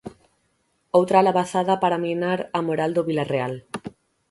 Outra labazada para minar a moral do Vilarreal.